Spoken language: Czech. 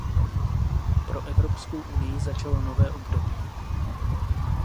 Pro Evropskou unii začalo nové období.